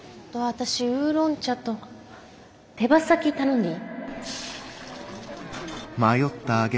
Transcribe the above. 私ウーロン茶と手羽先頼んでいい？